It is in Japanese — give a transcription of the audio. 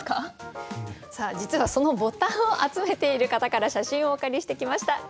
実はそのボタンを集めている方から写真をお借りしてきました。